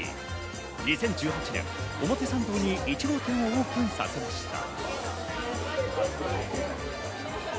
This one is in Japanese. ２０１８年、表参道にいち早く１号店をオープンさせました。